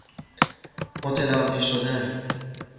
متلاقی شدن